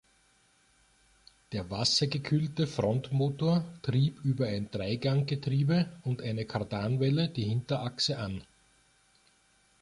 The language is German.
Der wassergekühlte Frontmotor trieb über ein Dreiganggetriebe und eine Kardanwelle die Hinterachse an.